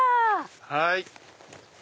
はい。